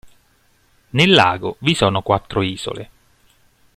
Nel lago vi sono quattro isole.